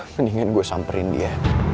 mendingan gue samperin dia